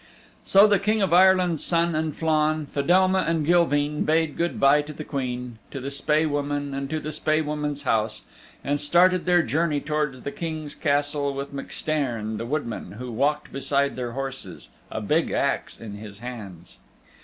So the King of Ireland's Son and Flann, Fedelma and Gilveen bade good by to the Queen, to the Spae Woman and to the Spae Woman's house, and started their journey towards the King's Castle with MacStairn the Woodman who walked beside their horses, a big axe in his hands.